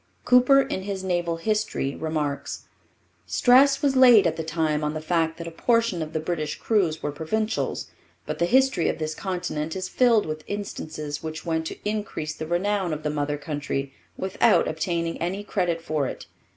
Cooper in his naval history remarks: Stress was laid at the time on the fact that a portion of the British crews were Provincials, but the history of this continent is filled with instances which went to increase the renown of the mother country without obtaining any credit for it.